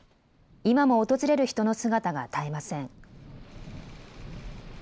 今も訪れる人の姿が絶えません。